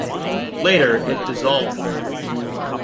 Later it dissolved.